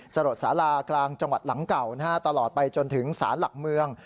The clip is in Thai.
สลดสารากลางจังหวัดหลังเก่าตลอดไปจนถึงสารหลักเมือง